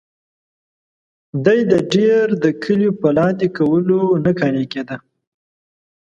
دی د دیر د کلیو په لاندې کولو نه قانع کېده.